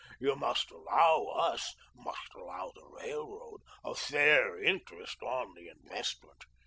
You must allow us must allow the railroad a fair interest on the investment.